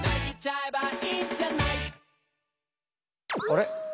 あれ？